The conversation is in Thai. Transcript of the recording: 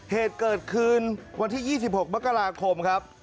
เหตุเกิดขึ้นวันที่๒๖มกราคมครับ